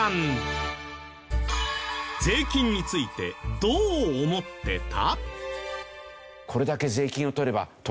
税金についてどう思ってた？